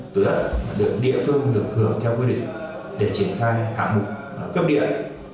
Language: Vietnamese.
từ đó được địa phương được hưởng theo quy định để triển khai hạng mục cấp điện